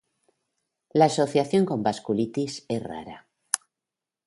La asociación con vasculitis es rara.